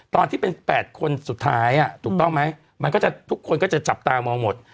ตอนที่เป็น๘คนสุดท้ายถูกต้องไหมมันก็จะทุกคนก็จะจับตามองหมด